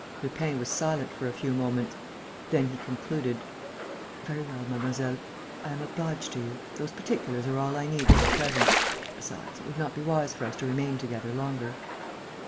Lupin was silent for a few moments. Then he concluded: "Very well, mademoiselle, I am obliged to you. Those particulars are all I need for the present. Besides, it would not be wise for us to remain together longer."